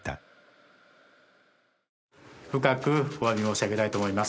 深くおわび申し上げたいと思います。